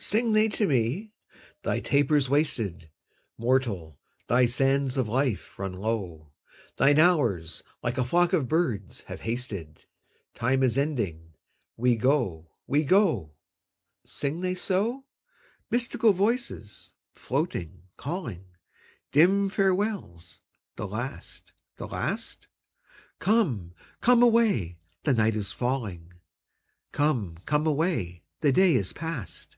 Sing they to me? 'Thy taper's wasted; Mortal, thy sands of life run low; Thine hours like a flock of birds have hasted: Time is ending; we go, we go.' Sing they so? Mystical voices, floating, calling; Dim farewells the last, the last? Come, come away, the night is falling; 'Come, come away, the day is past.'